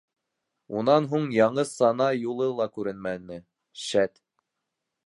Унан һуң, яңы сана юлы ла күренмәне, шәт.